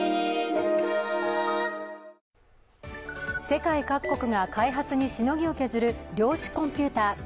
世界各国が開発にしのぎを削る量子コンピューター。